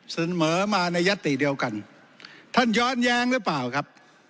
เสนอมาในยัตติเดียวกันท่านย้อนแย้งหรือเปล่าครับ